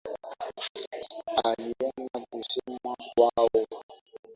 Alienda kusema kwao